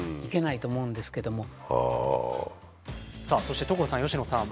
さあそして所さん佳乃さん。